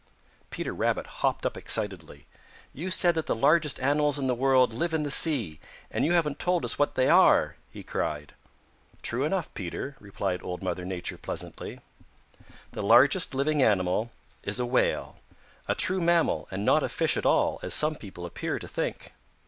Peter Rabbit hopped up excitedly. "You said that the largest animals in the world live in the sea, and you haven't told us what they are," he cried. "True enough, Peter," replied Old Mother Nature pleasantly. "The largest living animal is a Whale, a true mammal and not a fish at all, as some people appear to think.